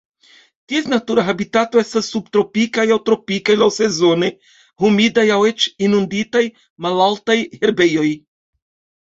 Ties natura habitato estas subtropikaj aŭ tropikaj laŭsezone humidaj aŭ eĉ inunditaj malaltaj herbejoj.